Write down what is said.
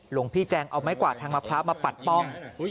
หลวงพี่แจงเอาไม้กวาดทางมะพร้าวมาปัดป้อง